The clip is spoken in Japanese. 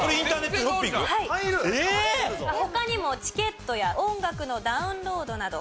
他にもチケットや音楽のダウンロードなど。